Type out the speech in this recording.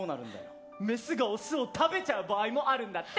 メスがオスを食べちゃう場合もあるんだって！